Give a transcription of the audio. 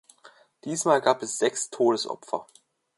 Diesmal gab es sechs Todesopfer.